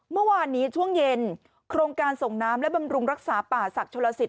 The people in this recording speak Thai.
เมื่อวานนี้ช่วงเย็นโครงการส่งน้ำและบำรุงรักษาป่าศักดิชลสิต